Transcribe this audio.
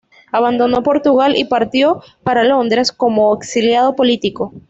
Abandonó Portugal y partió para Londres como exiliado político.